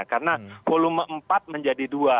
karena volume empat menjadi dua